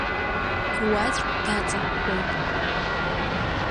Руаӡәк даҵаҳәҳәоит.